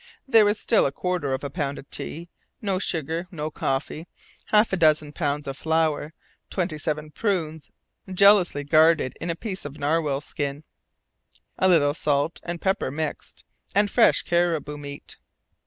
There was still a quarter of a pound of tea, no sugar, no coffee, half a dozen pounds of flour, twenty seven prunes jealously guarded in a piece of narwhal skin, a little salt and pepper mixed, and fresh caribou meat.